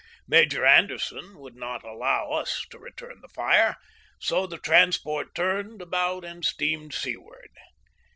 Major Anderson would not allow us to return the fire, so the transport turned, about and steamed seaward.